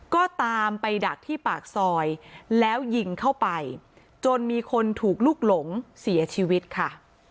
ก็ตามไปดักที่ปากซอยแล้วยิงเข้าไปจนมีคนถูกลุกหลงเสียชีวิตค่ะ